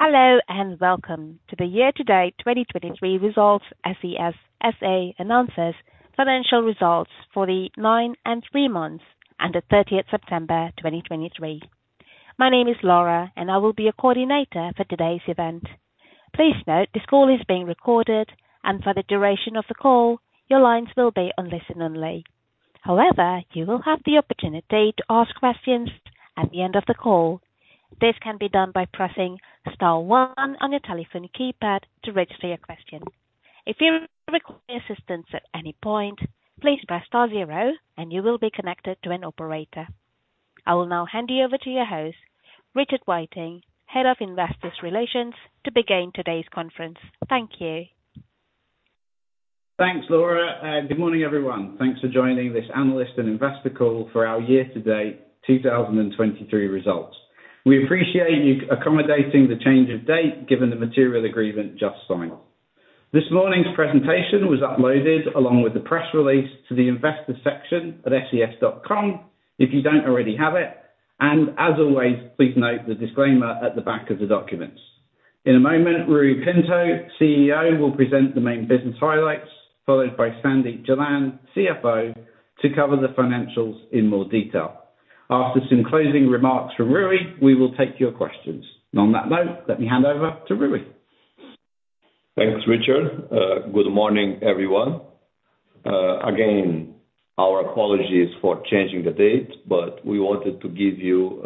Hello, and welcome to the year-to-date 2023 results. SES S.A. announces financial results for the nine and three month periods ended 30th September 2023. My name is Laura, and I will be your coordinator for today's event. Please note, this call is being recorded, and for the duration of the call, your lines will be on listen-only. However, you will have the opportunity to ask questions at the end of the call. This can be done by pressing star one on your telephone keypad to register your question. If you require assistance at any point, please press star zero, and you will be connected to an operator. I will now hand you over to your host, Richard Whiteing, Head of Investor Relations, to begin today's conference. Thank you. Thanks, Laura, and good morning, everyone. Thanks for joining this analyst and investor call for our year-to-date 2023 results. We appreciate you accommodating the change of date, given the material agreement just signed. This morning's presentation was uploaded along with the press release to the investor section at ses.com, if you don't already have it, and as always, please note the disclaimer at the back of the documents. In a moment, Ruy Pinto, CEO, will present the main business highlights, followed by Sandeep Jalan, CFO, to cover the financials in more detail. After some closing remarks from Ruy, we will take your questions. And on that note, let me hand over to Ruy. Thanks, Richard. Good morning, everyone. Again, our apologies for changing the date, but we wanted to give you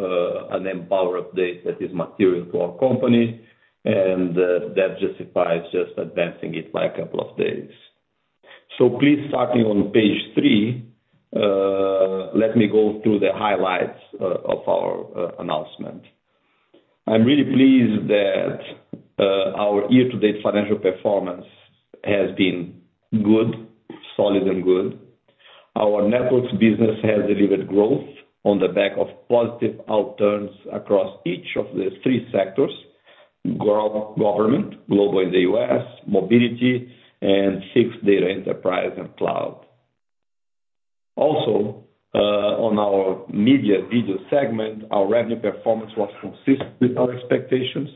an mPOWER update that is material to our company, and that justifies just advancing it by a couple of days. So please, starting on page three, let me go through the highlights of our announcement. I'm really pleased that our year-to-date financial performance has been good, solid and good. Our networks business has delivered growth on the back of positive out-turns across each of the three sectors, government, global in the US, mobility, and safe data enterprise and cloud. Also, on our media video segment, our revenue performance was consistent with our expectations,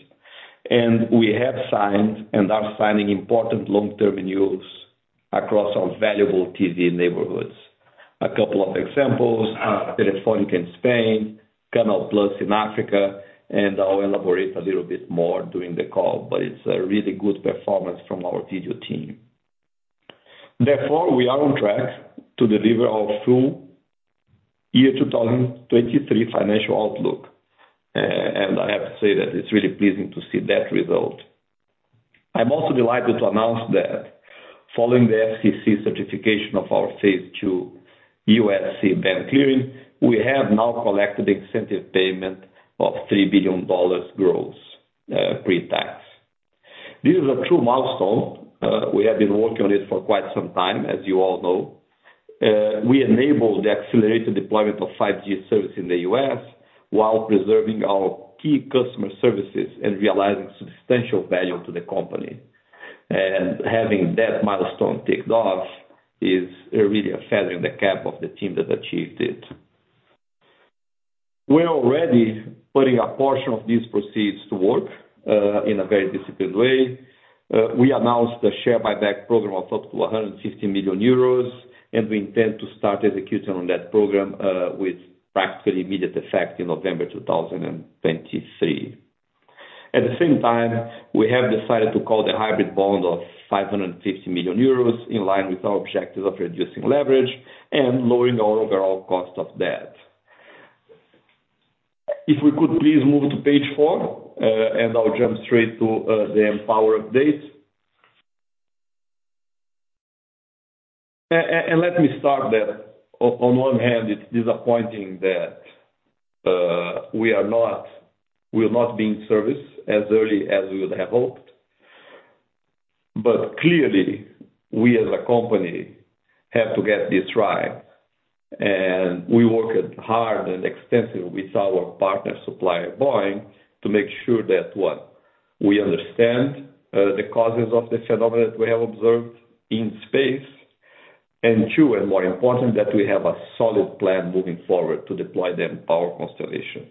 and we have signed and are signing important long-term deals across our valuable TV neighborhoods. A couple of examples, Telefónica in Spain, CANAL+ in Africa, and I'll elaborate a little bit more during the call, but it's a really good performance from our video team. Therefore, we are on track to deliver our full year 2023 financial outlook, and I have to say that it's really pleasing to see that result. I'm also delighted to announce that following the FCC certification of our phase II C-band clearing, we have now collected incentive payment of $3 billion gross, pre-tax. This is a true milestone. We have been working on it for quite some time, as you all know. We enabled the accelerated deployment of 5G service in the US while preserving our key customer services and realizing substantial value to the company. And having that milestone ticked off is really a feather in the cap of the team that achieved it. We're already putting a portion of these proceeds to work in a very disciplined way. We announced a share buyback program of up to 150 million euros, and we intend to start executing on that program with practically immediate effect in November 2023. At the same time, we have decided to call the hybrid bond of 550 million euros, in line with our objective of reducing leverage and lowering our overall cost of debt. If we could please move to page four, and I'll jump straight to the mPOWER update. And let me start that, on one hand, it's disappointing that we are not-- we're not being serviced as early as we would have hoped. But clearly, we as a company, have to get this right, and we worked hard and extensive with our partner, supplier, Boeing, to make sure that, one, we understand the causes of the phenomenon that we have observed in space, and two, and more important, that we have a solid plan moving forward to deploy the mPOWER constellation.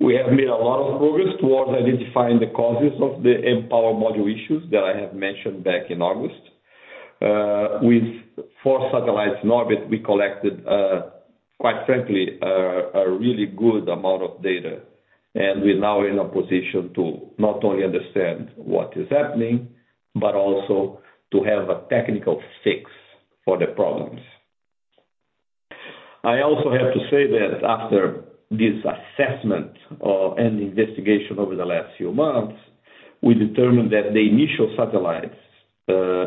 We have made a lot of progress towards identifying the causes of the mPOWER module issues that I have mentioned back in August. With four satellites in orbit, we collected, quite frankly, a really good amount of data, and we're now in a position to not only understand what is happening, but also to have a technical fix for the problems. I also have to say that after this assessment of, and investigation over the last few months, we determined that the initial satellites,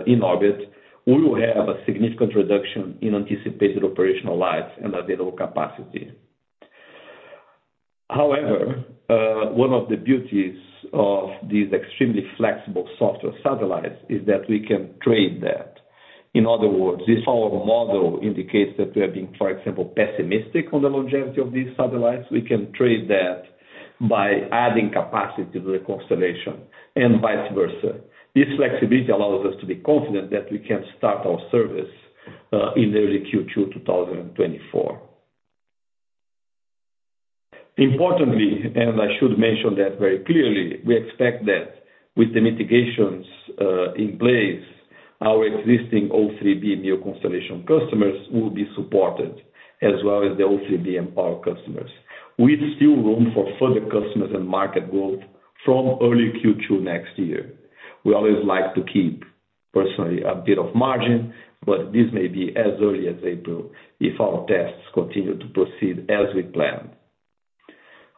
in orbit, will have a significant reduction in anticipated operational lives and available capacity. However, one of the beauties of these extremely flexible software satellites is that we can trade that. In other words, this our model indicates that we are being, for example, pessimistic on the longevity of these satellites. We can trade that by adding capacity to the constellation and vice versa. This flexibility allows us to be confident that we can start our service, in early Q2 2024.... Importantly, and I should mention that very clearly, we expect that with the mitigations, in place, our existing O3b MEO constellation customers will be supported as well as the O3b mPOWER customers, with still room for further customers and market growth from early Q2 next year. We always like to keep personally a bit of margin, but this may be as early as April if our tests continue to proceed as we planned.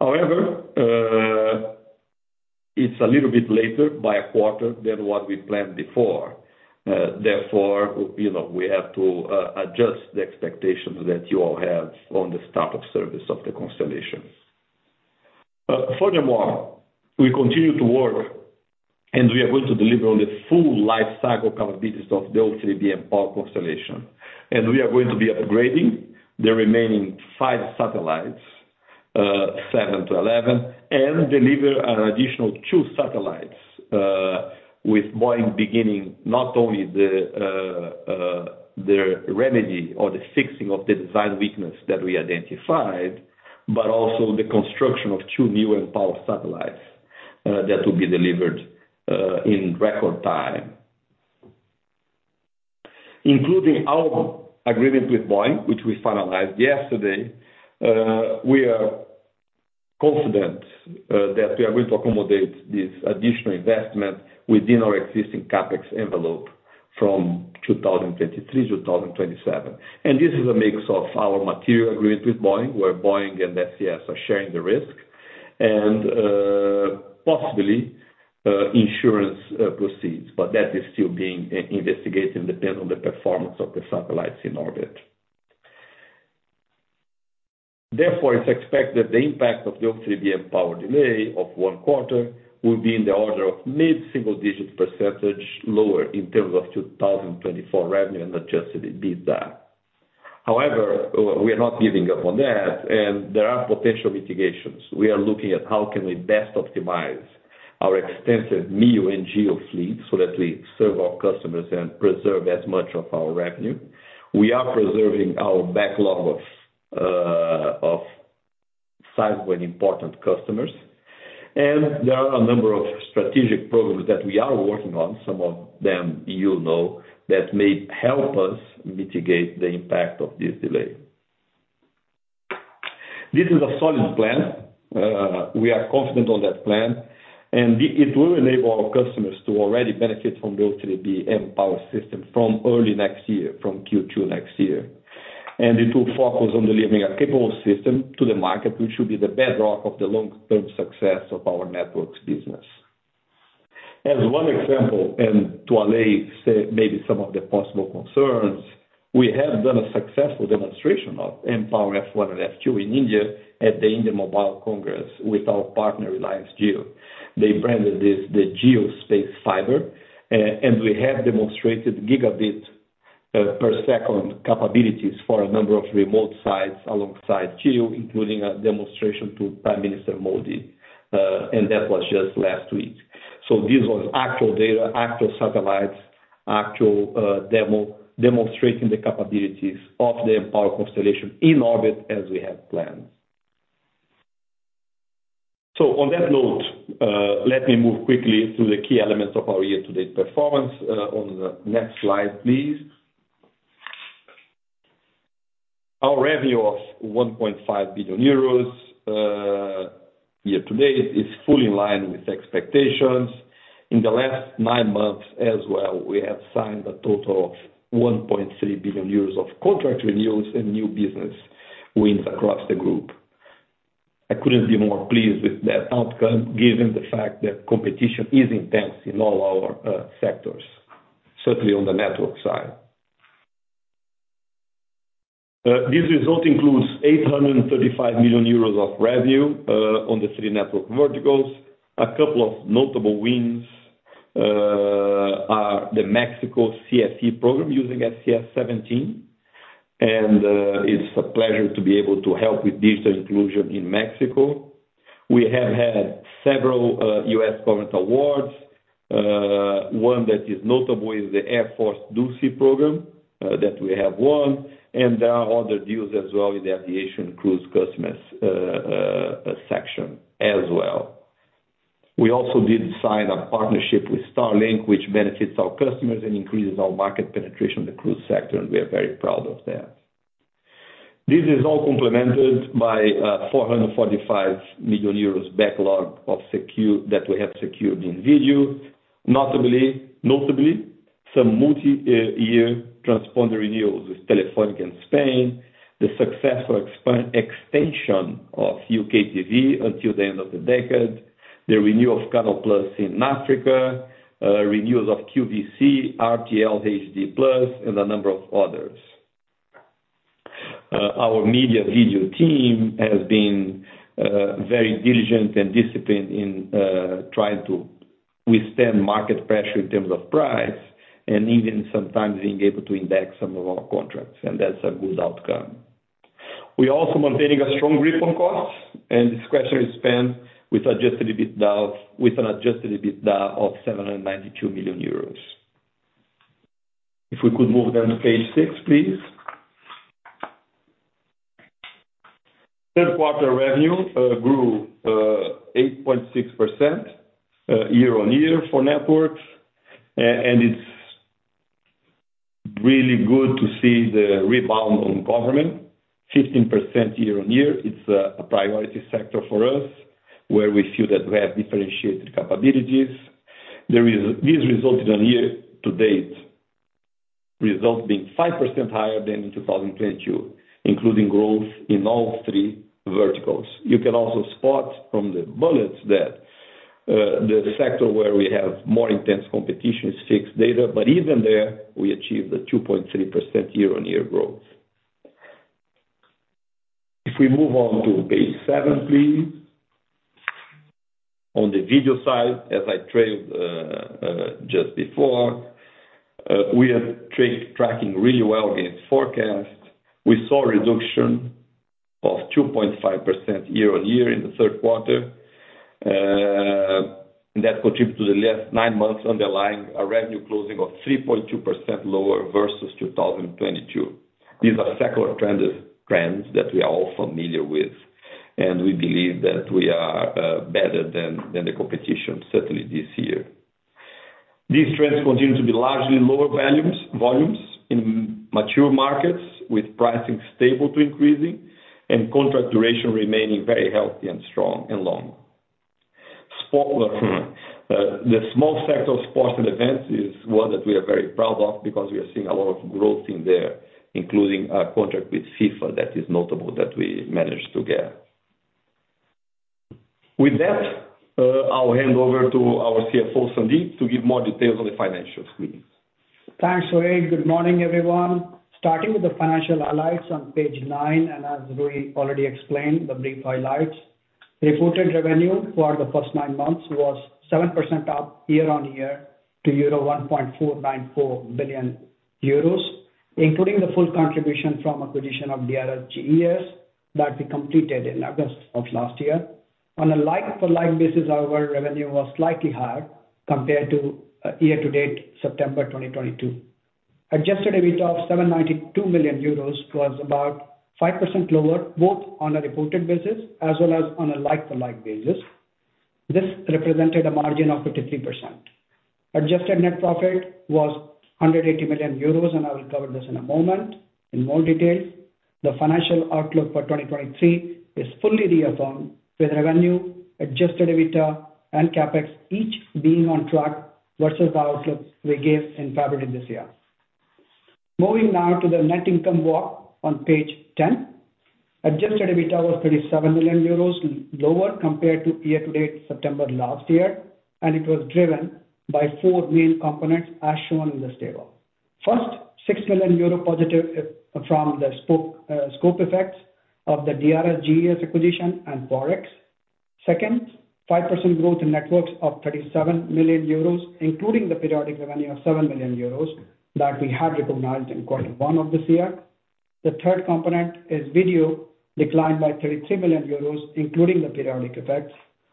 However, it's a little bit later by a quarter than what we planned before. Therefore, you know, we have to adjust the expectations that you all have on the start of service of the constellations. Furthermore, we continue to work, and we are going to deliver on the full life cycle capabilities of the O3b mPOWER constellation, and we are going to be upgrading the remaining 5 satellites, 7 to 11, and deliver an additional 2 satellites, with Boeing beginning not only the remedy or the fixing of the design weakness that we identified, but also the construction of 2 new mPOWER satellites, that will be delivered in record time. Including our agreement with Boeing, which we finalized yesterday, we are confident that we are going to accommodate this additional investment within our existing CapEx envelope from 2023 to 2027. And this is a mix of our material agreement with Boeing, where Boeing and SES are sharing the risk, and, possibly, insurance, proceeds, but that is still being investigated and depends on the performance of the satellites in orbit. Therefore, it's expected that the impact of the O3b mPOWER delay of one quarter will be in the order of mid-single-digit % lower in terms of 2024 revenue and adjusted EBITDA. However, we are not giving up on that, and there are potential mitigations. We are looking at how can we best optimize our extensive MEO and GEO fleet, so that we serve our customers and preserve as much of our revenue. We are preserving our backlog of of sizable and important customers, and there are a number of strategic programs that we are working on, some of them you know, that may help us mitigate the impact of this delay. This is a solid plan. We are confident on that plan, and it will enable our customers to already benefit from the O3b mPOWER system from early next year, from Q2 next year. And it will focus on delivering a capable system to the market, which should be the bedrock of the long-term success of our networks business. As one example, and to allay, say, maybe some of the possible concerns, we have done a successful demonstration of mPOWER F1 and F2 in India at the India Mobile Congress with our partner, Reliance Jio. They branded this the JioSpaceFiber, and we have demonstrated gigabit per second capabilities for a number of remote sites alongside Jio, including a demonstration to Prime Minister Modi, and that was just last week. So this was actual data, actual satellites, actual demonstrating the capabilities of the mPOWER constellation in orbit as we have planned. So on that note, let me move quickly to the key elements of our year-to-date performance, on the next slide, please. Our revenue of 1.5 billion euros year to date is fully in line with expectations. In the last nine months as well, we have signed a total of 1.3 billion euros of contract renewals and new business wins across the group. I couldn't be more pleased with that outcome, given the fact that competition is intense in all our sectors, certainly on the network side. This result includes 835 million euros of revenue on the three network verticals. A couple of notable wins are the Mexico CFE program using SES-17, and it's a pleasure to be able to help with digital inclusion in Mexico. We have had several U.S. government awards. One that is notable is the Air Force DEUCSI program that we have won, and there are other deals as well in the aviation, cruise customers section as well. We also did sign a partnership with Starlink, which benefits our customers and increases our market penetration in the cruise sector, and we are very proud of that This is all complemented by 445 million euros backlog that we have secured in video. Notably, some multi-year transponder renewals with Telefónica in Spain, the successful extension of UKTV until the end of the decade, the renewal of Canal Plus in Africa, renewals of QVC, RTL, HD+, and a number of others. Our media video team has been very diligent and disciplined in trying to withstand market pressure in terms of price, and even sometimes being able to index some of our contracts, and that's a good outcome. We're also maintaining a strong grip on costs and discretionary spend with adjusted EBITDA, with an adjusted EBITDA of 792 million euros. If we could move down to page six, please. Third quarter revenue grew 8.6% year-over-year for networks. And it's really good to see the rebound on government, 15% year-over-year. It's a priority sector for us, where we feel that we have differentiated capabilities. These year to date results being 5% higher than in 2022, including growth in all three verticals. You can also spot from the bullets that the sector where we have more intense competition is fixed data, but even there, we achieved a 2.3% year-over-year growth. If we move on to page seven, please. On the video side, as I trailed just before, we are tracking really well against forecast. We saw a reduction of 2.5% year-on-year in the Q3, and that contributes to the last nine months underlying a revenue closing of 3.2% lower versus 2022. These are secular trends, trends that we are all familiar with, and we believe that we are better than the competition, certainly this year. These trends continue to be largely lower volumes, volumes in mature markets, with pricing stable to increasing and contract duration remaining very healthy and strong and long. Sports, the small sector of sports and events is one that we are very proud of because we are seeing a lot of growth in there, including a contract with FIFA that is notable that we managed to get. With that, I'll hand over to our CFO, Sandeep, to give more details on the financials, please. Thanks, Ruy. Good morning, everyone. Starting with the financial highlights on page 9, and as Ruy already explained, the brief highlights. Reported revenue for the first nine months was 7% up year-on-year to 1.494 billion euros, including the full contribution from acquisition of the DRS GES that we completed in August of last year. On a like-for-like basis, our revenue was slightly higher compared to year-to-date, September 2022. Adjusted EBITDA of 792 million euros was about 5% lower, both on a reported basis as well as on a like-for-like basis. This represented a margin of 53%. Adjusted net profit was 180 million euros, and I will cover this in a moment in more detail. The financial outlook for 2023 is fully reaffirmed, with revenue, adjusted EBITDA and CapEx each being on track versus the outlook we gave in February this year. Moving now to the net income walk on page 10. Adjusted EBITDA was 37 million euros, lower compared to year-to-date, September last year, and it was driven by four main components, as shown in this table. First, 6 million euro positive from the scope effects of the DRS GES acquisition and Forex. Second, 5% growth in networks of 37 million euros, including the periodic revenue of 7 million euros that we had recognized in quarter one of this year. The third component is video, declined by 33 million euros, including the periodic effects.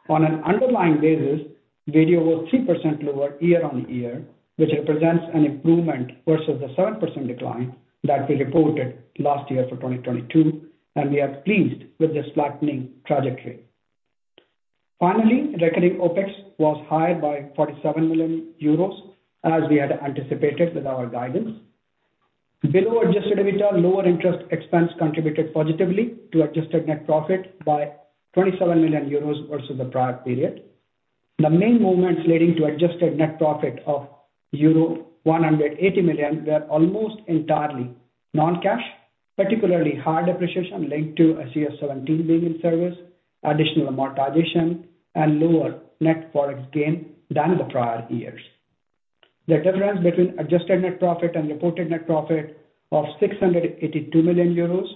On an underlying basis, video was 3% lower year-on-year, which represents an improvement versus the 7% decline that we reported last year for 2022, and we are pleased with this flattening trajectory. Finally, recurring OpEx was higher by 47 million euros, as we had anticipated with our guidance. Below adjusted EBITDA, lower interest expense contributed positively to adjusted net profit by 27 million euros versus the prior period. The main moments leading to adjusted net profit of euro 180 million were almost entirely non-cash, particularly high depreciation linked to a SES-17 being in service, additional amortization, and lower net Forex gain than the prior years. The difference between adjusted net profit and reported net profit of 682 million euros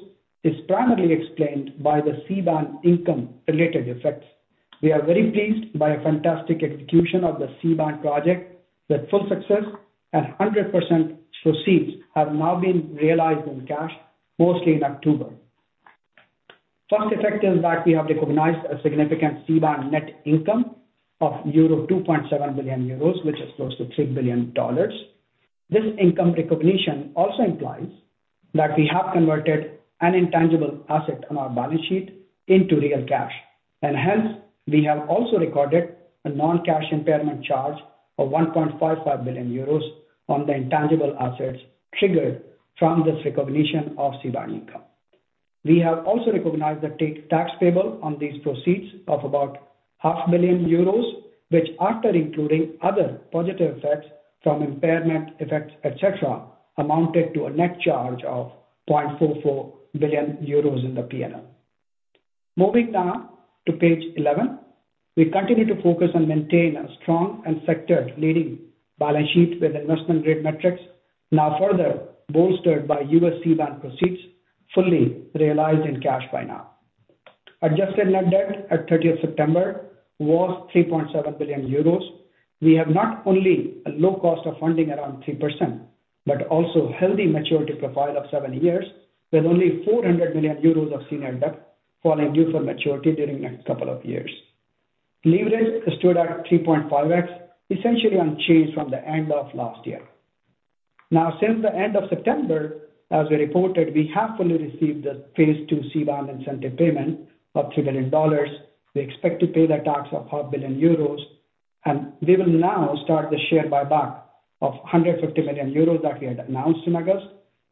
is primarily explained by the C-band income-related effects. We are very pleased by a fantastic execution of the C-band project, with full success and 100% proceeds have now been realized in cash, mostly in October. First effect is that we have recognized a significant C-band net income of 2.7 billion euros, which is close to $3 billion. This income recognition also implies that we have converted an intangible asset on our balance sheet into real cash, and hence, we have also recorded a non-cash impairment charge of 1.55 billion euros on the intangible assets triggered from this recognition of C-band income. We have also recognized the tax payable on these proceeds of about 500,000 euros, which, after including other positive effects from impairment effects, etc., amounted to a net charge of 0.44 billion euros in the P&L. Moving now to page 11. We continue to focus on maintaining a strong and sector-leading balance sheet with investment-grade metrics, now further bolstered by US C-band proceeds, fully realized in cash by now. Adjusted net debt at 30th September was 3.7 billion euros. We have not only a low cost of funding around 3%, but also healthy maturity profile of seven years, with only 400 million euros of senior debt falling due for maturity during the next couple of years. Leverage stood at 3.5x, essentially unchanged from the end of last year. Now, since the end of September, as we reported, we have fully received the Phase Two C-band incentive payment of $3 billion. We expect to pay the tax of 500 million euros, and we will now start the share buyback of 150 million euros that we had announced in August.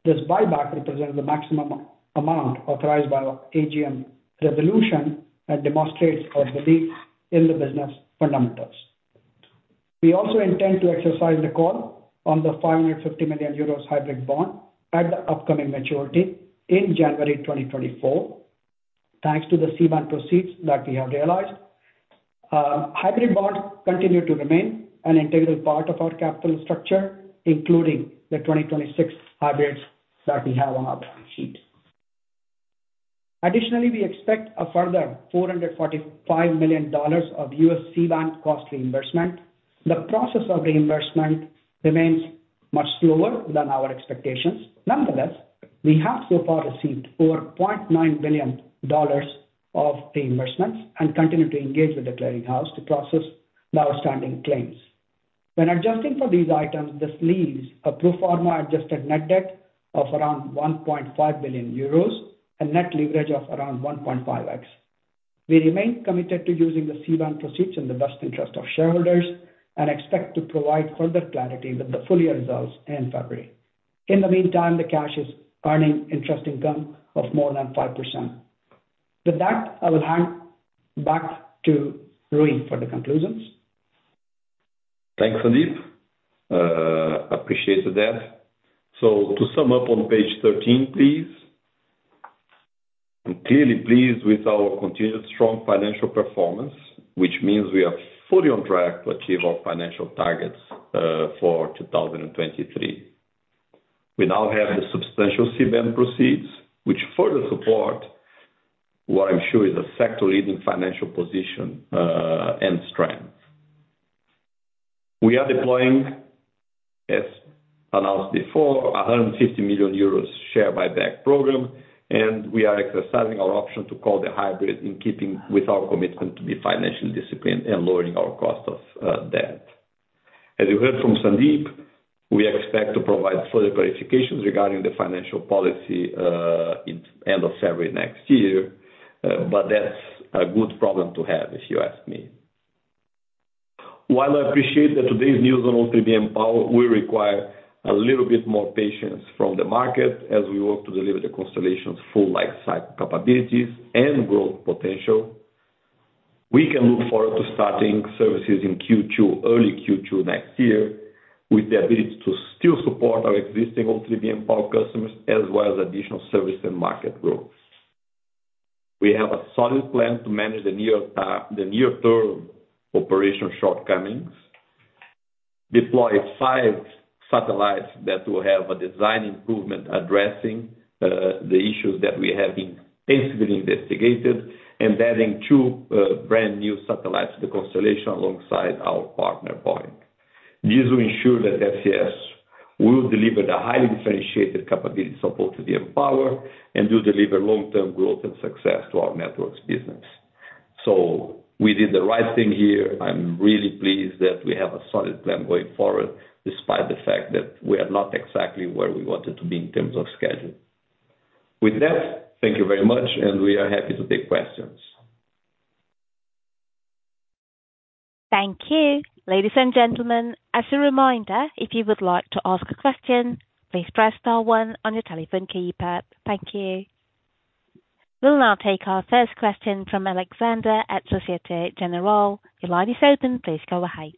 This buyback represents the maximum a-amount authorized by our AGM resolution and demonstrates our belief in the business fundamentals. We also intend to exercise the call on the 550 million euros hybrid bond at the upcoming maturity in January 2024, thanks to the C-band proceeds that we have realized. Hybrid bonds continue to remain an integral part of our capital structure, including the 2026 hybrids that we have on our balance sheet. Additionally, we expect a further $445 million of US C-band cost reimbursement. The process of reimbursement remains much slower than our expectations. Nonetheless, we have so far received $4.9 billion of reimbursements and continue to engage with the clearing house to process the outstanding claims. When adjusting for these items, this leaves a pro forma adjusted net debt of around 1.5 billion euros and net leverage of around 1.5x. We remain committed to using the C-band proceeds in the best interest of shareholders and expect to provide further clarity with the full year results in February. In the meantime, the cash is earning interest income of more than 5%. With that, I will hand back to Ruy for the conclusions. Thanks, Sandeep. Appreciate that. So to sum up on page 13, please. I'm clearly pleased with our continued strong financial performance, which means we are fully on track to achieve our financial targets for 2023. We now have the substantial C-band proceeds, which further support what I'm sure is a sector-leading financial position and strength. We are deploying, as announced before, a 150 million euros share buyback program, and we are exercising our option to call the hybrid in keeping with our commitment to be financially disciplined and lowering our cost of debt. As you heard from Sandeep, we expect to provide further clarifications regarding the financial policy in end of February next year, but that's a good problem to have, if you ask me. While I appreciate that today's news on O3b mPOWER will require a little bit more patience from the market as we work to deliver the constellation's full life cycle capabilities and growth potential, we can look forward to starting services in Q2, early Q2 next year, with the ability to still support our existing O3b mPOWER customers as well as additional service and market growth. We have a solid plan to manage the near-term operational shortcomings, deploy 5 satellites that will have a design improvement, addressing the issues that we have been extensively investigated, and adding 2 brand-new satellites to the constellation alongside our partner, Boeing. These will ensure that SES will deliver the highly differentiated capabilities of O3b mPOWER and will deliver long-term growth and success to our networks business. So we did the right thing here. I'm really pleased that we have a solid plan going forward, despite the fact that we are not exactly where we wanted to be in terms of schedule. With that, thank you very much, and we are happy to take questions. Thank you. Ladies and gentlemen, as a reminder, if you would like to ask a question, please press star one on your telephone keypad. Thank you. We'll now take our first question from Alexander at Société Générale. Your line is open. Please go ahead.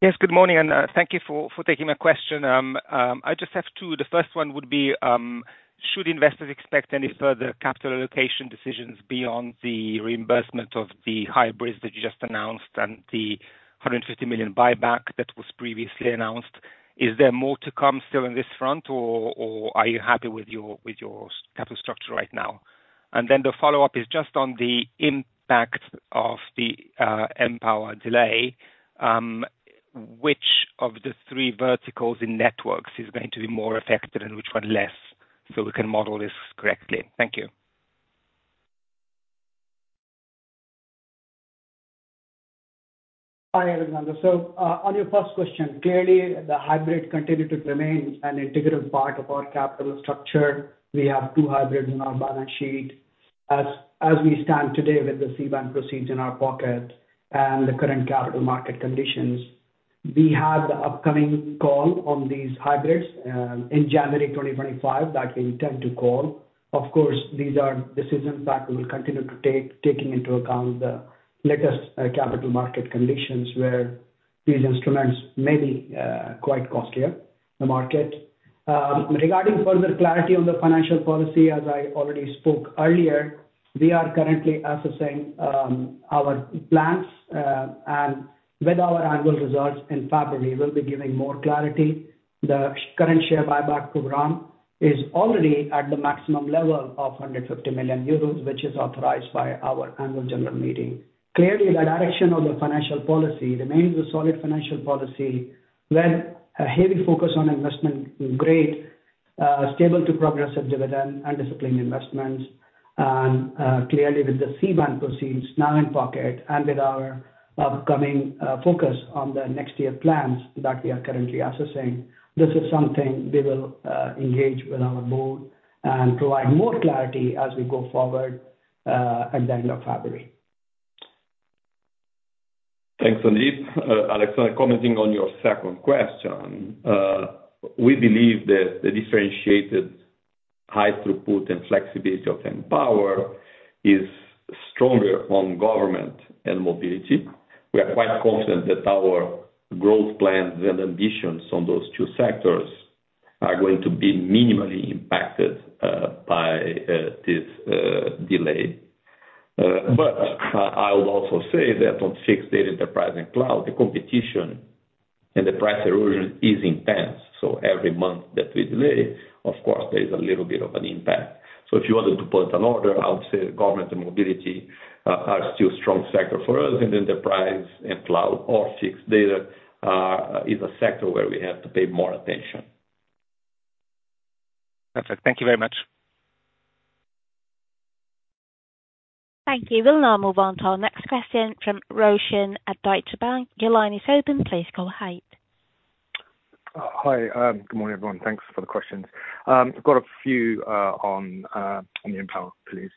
Yes, good morning, and thank you for taking my question. I just have two. The first one would be, should investors expect any further capital allocation decisions beyond the reimbursement of the hybrids that you just announced and the 150 million buyback that was previously announced? Is there more to come still in this front, or are you happy with your capital structure right now? And then the follow-up is just on the impact of the mPower delay. Which of the three verticals in networks is going to be more affected and which one less, so we can model this correctly? Thank you. Hi, Alexander. So, on your first question, clearly, the hybrid continue to remain an integral part of our capital structure. We have two hybrids in our balance sheet. As we stand today with the C-band proceeds in our pocket and the current capital market conditions, we have the upcoming call on these hybrids in January 2025 that we intend to call. Of course, these are decisions that we will continue to take, taking into account the latest capital market conditions, where these instruments may be quite costlier in the market. Regarding further clarity on the financial policy, as I already spoke earlier, we are currently assessing our plans and with our annual results in February, we'll be giving more clarity. The current share buyback program is already at the maximum level of 150 million euros, which is authorized by our annual general meeting. Clearly, the direction of the financial policy remains a solid financial policy, with a heavy focus on investment-grade stable to progress of dividend and disciplined investments. And, clearly with the C-band proceeds now in pocket and with our upcoming, focus on the next year plans that we are currently assessing, this is something we will, engage with our board and provide more clarity as we go forward, at the end of February. Thanks, Sandeep. Alex, commenting on your second question, we believe that the differentiated high throughput and flexibility of mPOWER is stronger on government and mobility. We are quite confident that our growth plans and ambitions on those two sectors are going to be minimally impacted by this delay. But I would also say that on fixed data, enterprise, and cloud, the competition and the price erosion is intense. So every month that we delay, of course, there is a little bit of an impact. So if you wanted to put an order, I would say government and mobility are still strong sector for us, and then the enterprise and cloud or fixed data is a sector where we have to pay more attention. Perfect. Thank you very much. Thank you. We'll now move on to our next question from Roshan at Deutsche Bank. Your line is open, please go ahead. Hi. Good morning, everyone. Thanks for the questions. I've got a few on the mPOWER, please.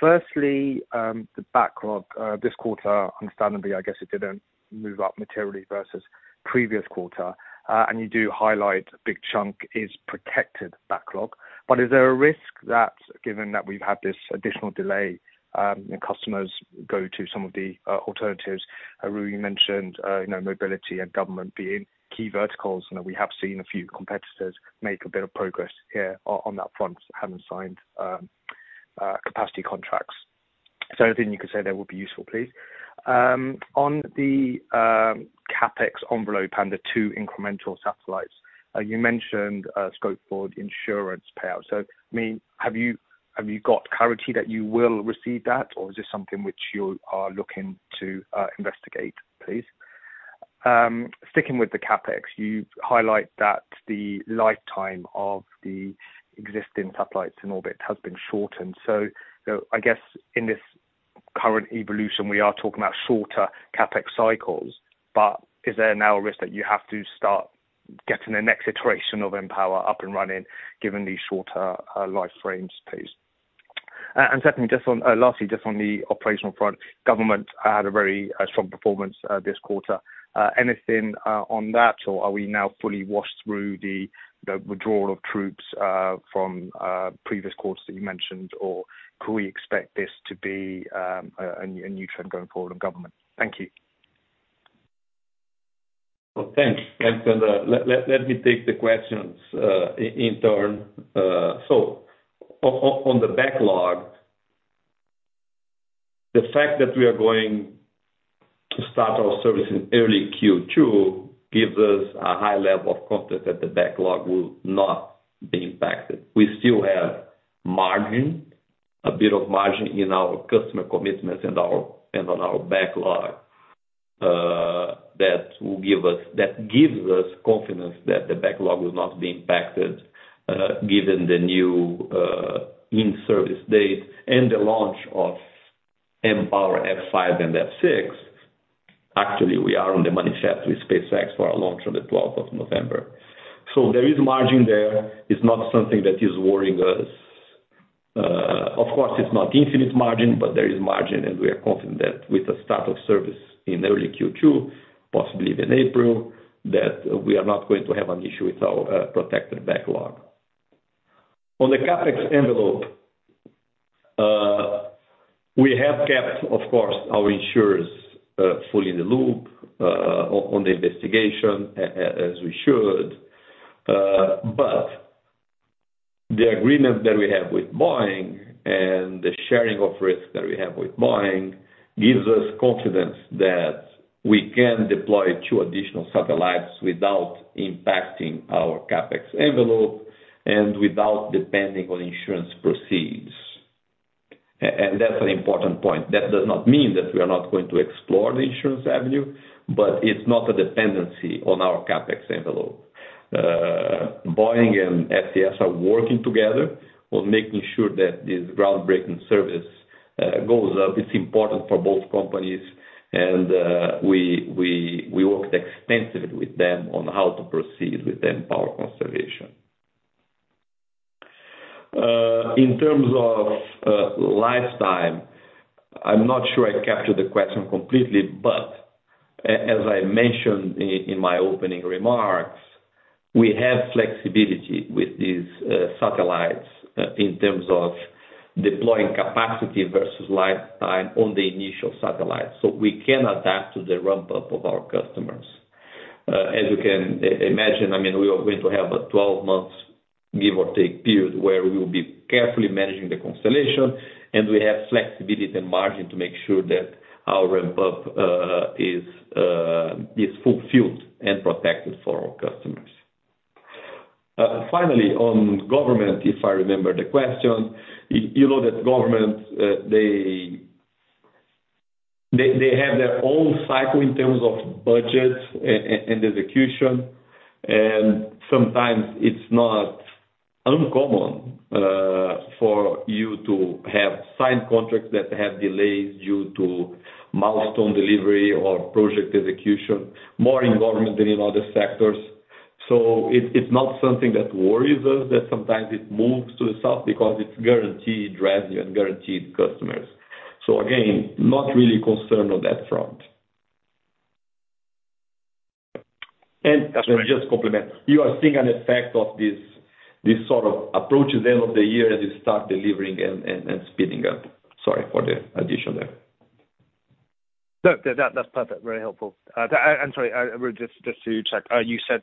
Firstly, the backlog this quarter, understandably, I guess it didn't move up materially versus previous quarter. And you do highlight a big chunk is protected backlog. But is there a risk that given that we've had this additional delay, and customers go to some of the alternatives Ruy mentioned, you know, mobility and government being key verticals, and that we have seen a few competitors make a bit of progress here on that front, having signed capacity contracts. So anything you could say there will be useful, please. On the CapEx envelope and the two incremental satellites, you mentioned scope board insurance payout. So, I mean, have you, have you got clarity that you will receive that, or is this something which you are looking to investigate, please? Sticking with the CapEx, you highlight that the lifetime of the existing satellites in orbit has been shortened. So, so I guess in this current evolution, we are talking about shorter CapEx cycles, but is there now a risk that you have to start getting the next iteration of mPOWER up and running, given these shorter lifetimes, please? And secondly, just on, lastly, just on the operational front, government had a very strong performance this quarter. Anything on that, or are we now fully washed through the withdrawal of troops from previous quarters that you mentioned, or could we expect this to be a new trend going forward on government? Thank you. Well, thanks. Let me take the questions in turn. So on the backlog, the fact that we are going to start our service in early Q2 gives us a high level of confidence that the backlog will not be impacted. We still have margin, a bit of margin in our customer commitments and on our backlog, that gives us confidence that the backlog will not be impacted, given the new in-service date and the launch of mPower F5 and F6. Actually, we are on the manifest with SpaceX for our launch on the twelfth of November. So there is margin there. It's not something that is worrying us. Of course, it's not infinite margin, but there is margin, and we are confident that with the start of service in early Q2, possibly in April, that we are not going to have an issue with our protected backlog. On the CapEx envelope, we have kept, of course, our insurers fully in the loop on the investigation as we should. But the agreement that we have with Boeing and the sharing of risks that we have with Boeing gives us confidence that we can deploy two additional satellites without impacting our CapEx envelope and without depending on insurance proceeds. And that's an important point. That does not mean that we are not going to explore the insurance avenue, but it's not a dependency on our CapEx envelope. Boeing and SES are working together on making sure that this groundbreaking service goes up. It's important for both companies, and we worked extensively with them on how to proceed with the mPower constellation. In terms of lifetime, I'm not sure I captured the question completely, but as I mentioned in my opening remarks, we have flexibility with these satellites in terms of deploying capacity versus lifetime on the initial satellites, so we can adapt to the ramp-up of our customers. As you can imagine, I mean, we are going to have a 12-month, give or take, period, where we will be carefully managing the constellation, and we have flexibility and margin to make sure that our ramp-up is fulfilled and protected for our customers. Finally, on government, if I remember the question, you know that government, they...... They have their own cycle in terms of budgets and execution, and sometimes it's not uncommon for you to have signed contracts that have delays due to milestone delivery or project execution, more in government than in other sectors. So it's not something that worries us, that sometimes it moves to the south because it's guaranteed revenue and guaranteed customers. So again, not really concerned on that front. And just to complement, you are seeing an effect of this sort of approach at the end of the year as you start delivering and speeding up. Sorry for the addition there. No, that's perfect. Very helpful. I'm sorry, just to check. You said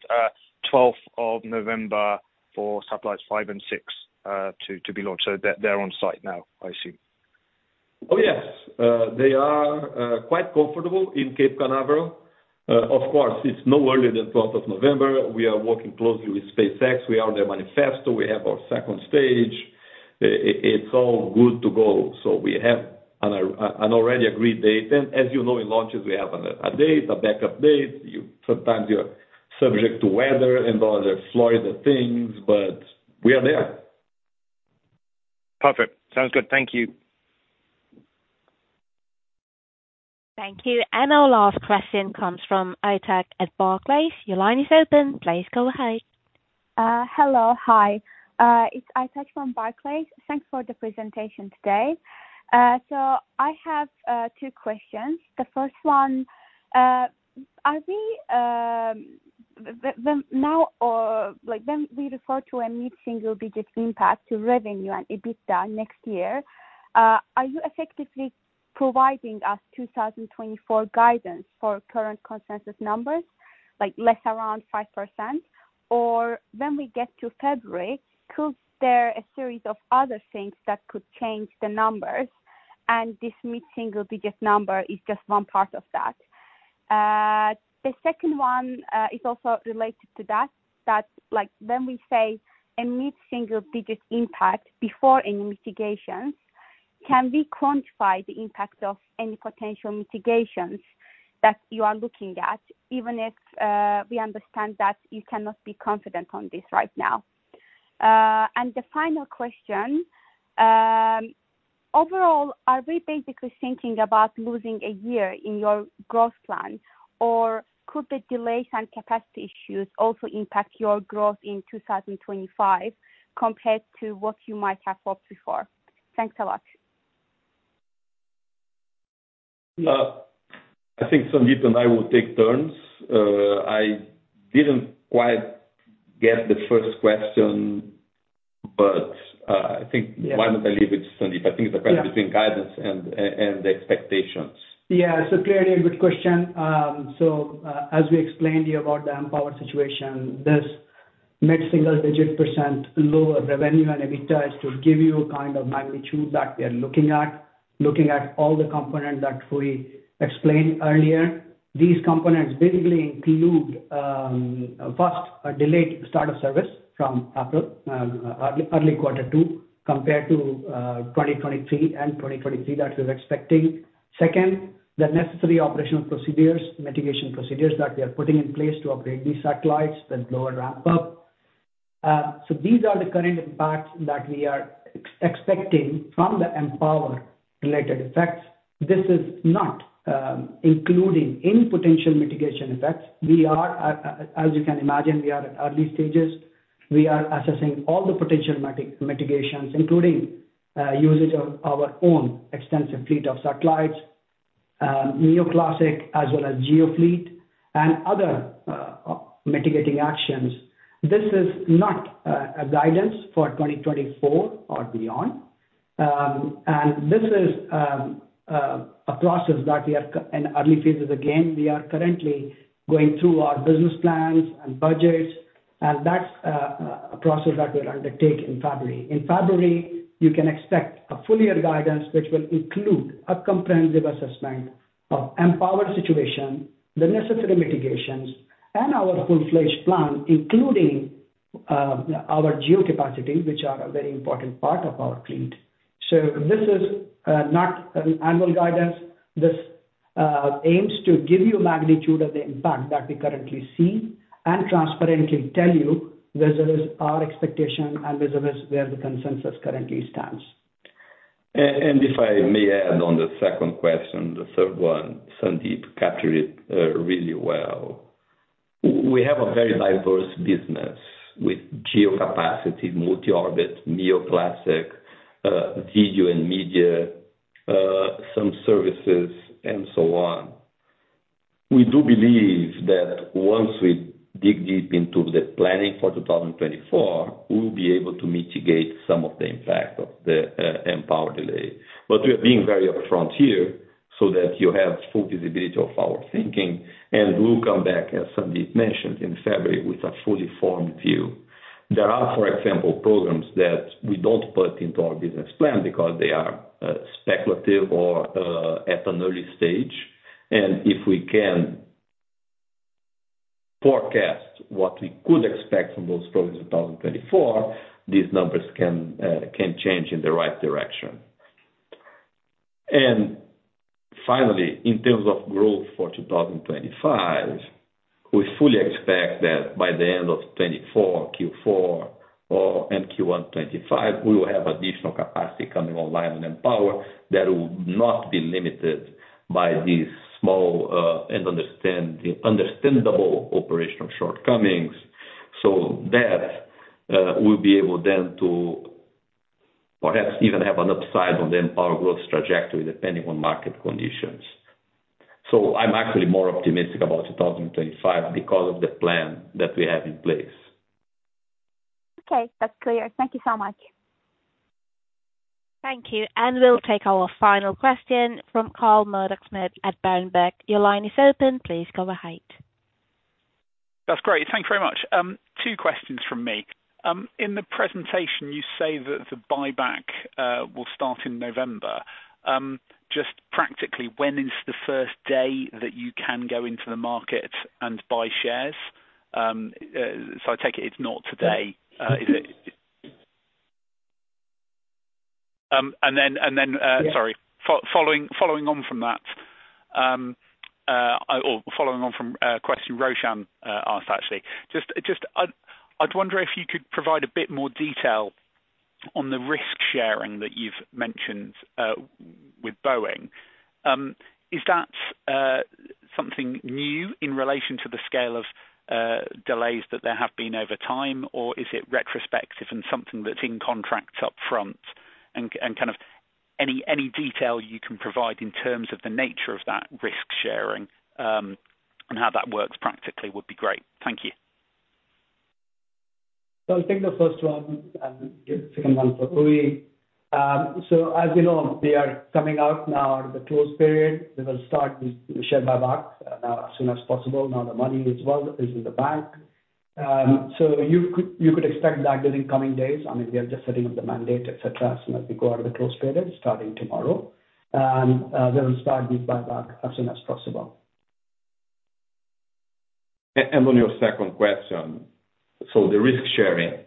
12th of November for satellites 5 and 6 to be launched, so they're on site now, I assume? Oh, yes. They are quite comfortable in Cape Canaveral. Of course, it's no earlier than 12th of November. We are working closely with SpaceX. We are their manifesto. We have our second stage. It's all good to go. So we have an already agreed date. And as you know, in launches, we have a date, a backup date. Sometimes you're subject to weather and other Florida things, but we are there. Perfect. Sounds good. Thank you. Thank you. And our last question comes from Aytech at Barclays. Your line is open. Please go ahead. Hello, hi. It's Aytech from Barclays. Thanks for the presentation today. So I have two questions. The first one, are we now or like, when we refer to a mid-single digit impact to revenue and EBITDA next year, are you effectively providing us 2024 guidance for current consensus numbers, like less around 5%? Or when we get to February, could there a series of other things that could change the numbers, and this mid-single digit number is just one part of that? The second one is also related to that, that like when we say a mid-single digit impact before any mitigations, can we quantify the impact of any potential mitigations that you are looking at, even if we understand that you cannot be confident on this right now? The final question, overall, are we basically thinking about losing a year in your growth plan, or could the delays and capacity issues also impact your growth in 2025 compared to what you might have hoped before? Thanks a lot. I think Sandeep and I will take turns. I didn't quite get the first question, but, I think- Yeah. Why don't I leave it to Sandeep? I think it's a question between guidance and the expectations. Yeah. So clearly a good question. As we explained to you about the mPOWER situation, this mid-single digit% lower revenue and EBITDA is to give you a kind of magnitude that we are looking at, looking at all the components that we explained earlier. These components basically include, first, a delayed start of service from April, early Q2, compared to 2023 and 2023 that we're expecting. Second, the necessary operational procedures, mitigation procedures that we are putting in place to upgrade these satellites, the lower ramp up. So these are the current impacts that we are expecting from the mPOWER related effects. This is not including any potential mitigation effects. We are, as you can imagine, we are at early stages. We are assessing all the potential mitigations, including usage of our own extensive fleet of satellites, MEO classic, as well as GEO fleet and other mitigating actions. This is not a guidance for 2024 or beyond. This is a process that we are in early phases. Again, we are currently going through our business plans and budgets, and that's a process that we'll undertake in February. In February, you can expect a full year guidance, which will include a comprehensive assessment of mPOWER situation, the necessary mitigations, and our full-fledged plan, including our GEO capacity, which are a very important part of our fleet. So this is not an annual guidance. This aims to give you a magnitude of the impact that we currently see and transparently tell you vis-à-vis our expectation and vis-à-vis where the consensus currently stands. And if I may add on the second question, the third one, Sandeep captured it really well. We have a very diverse business with GEO capacity, multi-orbit, MEO classic, video and media, some services, and so on. We do believe that once we dig deep into the planning for 2024, we'll be able to mitigate some of the impact of the mPOWER delay. But we are being very upfront here so that you have full visibility of our thinking, and we'll come back, as Sandeep mentioned, in February with a fully formed view. There are, for example, programs that we don't put into our business plan because they are speculative or at an early stage, and if we can-... forecast what we could expect from those programs in 2024, these numbers can, can change in the right direction. And finally, in terms of growth for 2025, we fully expect that by the end of 2024, Q4 or, and Q1 2025, we will have additional capacity coming online and mPower that will not be limited by these small, and understand, understandable operational shortcomings. So that, we'll be able then to perhaps even have an upside on the mPower growth trajectory, depending on market conditions. So I'm actually more optimistic about 2025 because of the plan that we have in place. Okay, that's clear. Thank you so much. Thank you, and we'll take our final question from Carl Murdock-Smith at Berenberg. Your line is open. Please go ahead. That's great. Thank you very much. Two questions from me. In the presentation, you say that the buyback will start in November. Just practically, when is the first day that you can go into the market and buy shares? So I take it, it's not today, is it? And then, sorry. Following on from that, or following on from a question Roshan asked, actually. Just, I'd wonder if you could provide a bit more detail on the risk sharing that you've mentioned with Boeing. Is that something new in relation to the scale of delays that there have been over time, or is it retrospective and something that's in contracts up front? Kind of any detail you can provide in terms of the nature of that risk sharing, and how that works practically would be great. Thank you. So I'll take the first one and give the second one for Ruy. So as we know, we are coming out of the closed period now. We will start with share buyback as soon as possible. Now, the money as well is in the bank. So you could, you could expect that during coming days. I mean, we are just setting up the mandate, et cetera, as soon as we go out of the closed period, starting tomorrow. And we'll start with buyback as soon as possible. On your second question, so the risk sharing.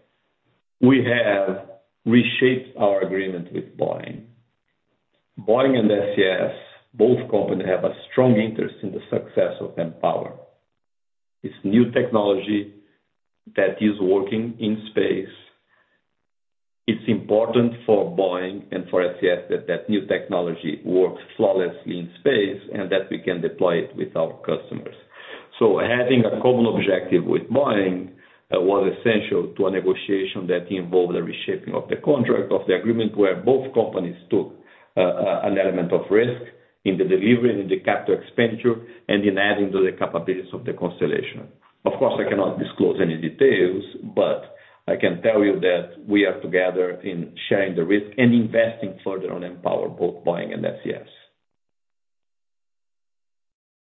We have reshaped our agreement with Boeing. Boeing and SES, both companies have a strong interest in the success of mPOWER. It's new technology that is working in space. It's important for Boeing and for SES, that that new technology works flawlessly in space, and that we can deploy it with our customers. So having a common objective with Boeing was essential to a negotiation that involved a reshaping of the contract, of the agreement, where both companies took an element of risk in the delivery, in the capital expenditure, and in adding to the capabilities of the constellation. Of course, I cannot disclose any details, but I can tell you that we are together in sharing the risk and investing further on mPOWER, both Boeing and SES.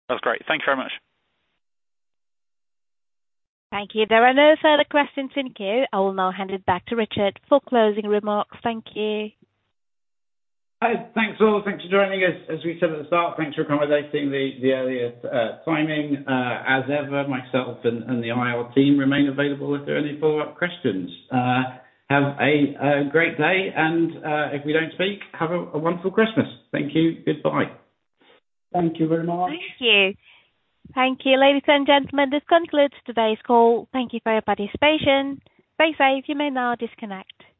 That's great. Thank you very much. Thank you. There are no further questions in queue. I will now hand it back to Richard for closing remarks. Thank you. Hi. Thanks all. Thanks for joining us. As we said at the start, thanks for accommodating the earliest timing. As ever, myself and the IR team remain available if there are any follow-up questions. Have a great day, and if we don't speak, have a wonderful Christmas. Thank you. Goodbye. Thank you very much. Thank you. Thank you, ladies and gentlemen, this concludes today's call. Thank you for your participation. Stay safe. You may now disconnect.